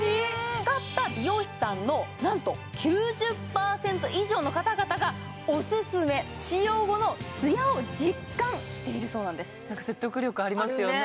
使った美容師さんのなんと９０％以上の方々がオススメ使用後の艶を実感しているそうなんですあるね